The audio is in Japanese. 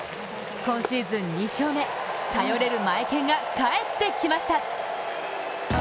今シーズン２勝目、頼れるマエケンが帰ってきました！